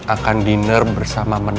akan dinner bersama my prince